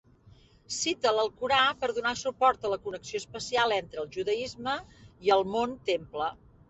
Cita l'alcorà per donar suport a la connexió especial entre el Judaisme i el Mont Temple.